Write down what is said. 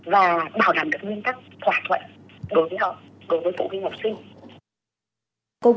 và bảo đảm các nguyên tắc thỏa thuận đối với họ đối với phụ huynh học sinh